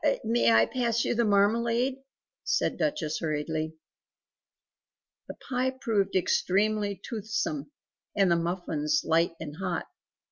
"May I pass you the marmalade?" said Duchess hurriedly. The pie proved extremely toothsome, and the muffins light and hot.